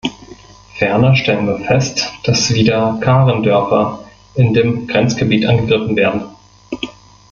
Ferner stellen wir fest, dass wieder Karen-Dörfer in dem Grenzgebiet angegriffen werden.